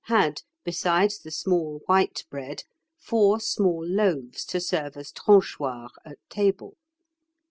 had, besides the small white bread, four small loaves to serve as tranchoirs at table.